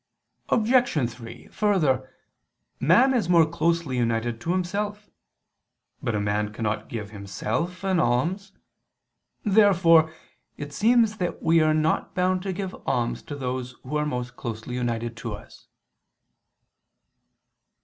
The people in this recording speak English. Obj. 3: Further, man is more closely united to himself. But a man cannot give himself an alms. Therefore it seems that we are not bound to give alms to those who are most closely united to us.